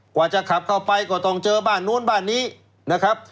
กว่าจะขับเข้าไปก็ต้องเจอบ้านนู้นบ้านนี้นะครับ